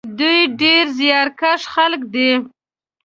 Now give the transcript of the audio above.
دوی ډېر زیارکښ خلک دي.